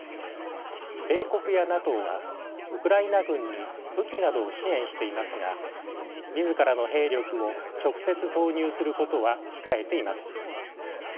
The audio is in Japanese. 米国やＮＡＴＯはウクライナ軍に武器などを支援していますが自らの兵力を直接投入することは控えています。